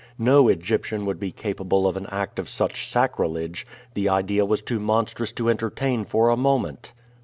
No Egyptian would be capable of an act of such sacrilege. The idea was too monstrous to entertain for a moment.